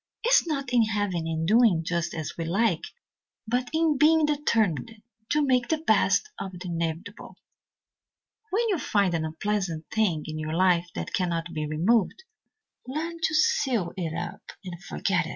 It is not in having and doing just as we like, but in being determined to make the best of the inevitable. When you find an unpleasant thing in your life that cannot be removed, learn to seal it up and forget it.